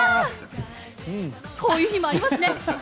こういう日もありますね。